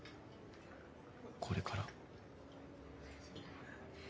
これから。